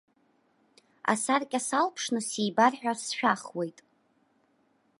Асаркьа салԥшны сибар ҳәа сшәахуеит.